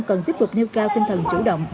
cần tiếp tục nêu cao tinh thần chủ động